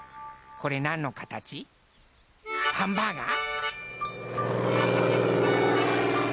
これなんのかたち？ハンバーガー？